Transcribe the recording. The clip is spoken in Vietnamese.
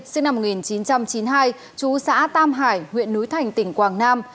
sinh năm một nghìn chín trăm chín mươi hai chú xã tam hải huyện núi thành tỉnh quảng nam